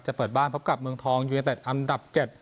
จะเปิดบ้านพบกับเมืองทองยุโยเต็ดอันดับเจ็ด